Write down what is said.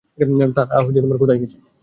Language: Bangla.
তারা কোথায় গেছে?